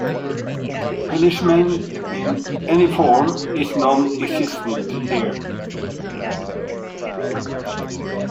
Punishment in any form is non-existent here.